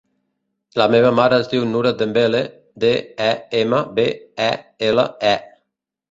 La meva mare es diu Nura Dembele: de, e, ema, be, e, ela, e.